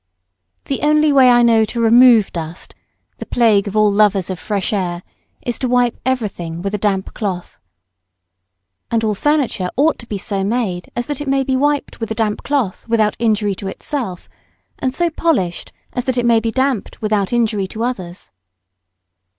The only way I know to remove dust, the plague of all lovers of fresh air, is to wipe everything with a damp cloth. And all furniture ought to be so made as that it may be wiped with a damp cloth without injury to itself, and so polished as that it may be damped without injury to others.